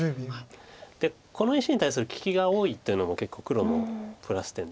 でこの石に対する利きが多いというのも結構黒のプラス点ですよね。